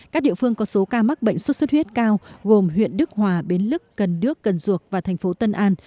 các địa phương có số ca mắc bệnh sốt xuất huyết cao gồm huyện đức hòa bến lức cần đước cần duộc và thành phố tân an